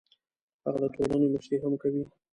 هغه د ټولنې مشري هم کوي.